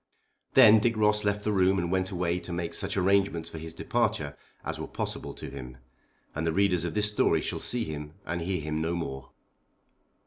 Then Dick Ross left the room and went away to make such arrangements for his departure as were possible to him, and the readers of this story shall see him and hear him no more.